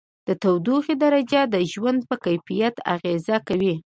د تودوخې درجه د ژوند په کیفیت اغېزه کوي.